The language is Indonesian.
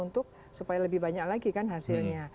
untuk supaya lebih banyak lagi kan hasilnya